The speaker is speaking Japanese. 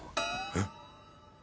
えっ？